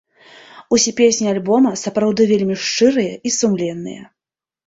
Усе песні альбома сапраўды вельмі шчырыя і сумленныя.